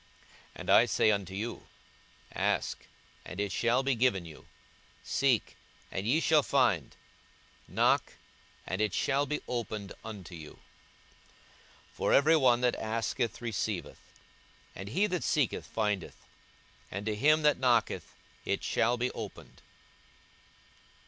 42:011:009 And I say unto you, Ask, and it shall be given you; seek, and ye shall find; knock, and it shall be opened unto you. 42:011:010 For every one that asketh receiveth; and he that seeketh findeth; and to him that knocketh it shall be opened.